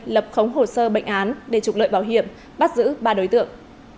lập khống hồ sơ bệnh án để trục lợi bảo hiểm bắt giữ ba đối tượng